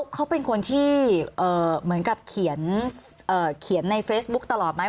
เขาเป็นคนที่เหมือนกับเขียนในเฟซบุ๊คตลอดไหม